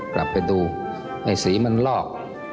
กลับไปดูไอ้สีมันลอก